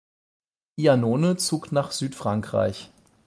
Iannone zog nach Südfrankreich.